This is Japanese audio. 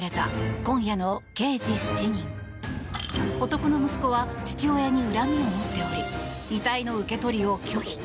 男の息子は父親に恨みを持っており遺体の受け取りを拒否。